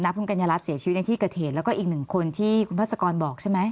คุณกัญญารัฐเสียชีวิตในที่เกิดเหตุแล้วก็อีกหนึ่งคนที่คุณพัศกรบอกใช่ไหม